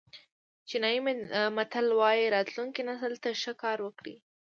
چینایي متل وایي راتلونکي نسل ته ښه کار وکړئ.